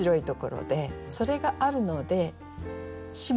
それがあるので下の句